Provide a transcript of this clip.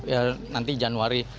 ya nanti januari